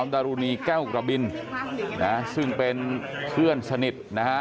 ดารุณีแก้วกระบินซึ่งเป็นเพื่อนสนิทนะฮะ